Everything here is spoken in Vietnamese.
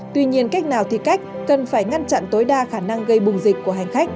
tuy nhiên cách nào thì cách cần phải ngăn chặn tối đa khả năng gây bùng dịch của hành khách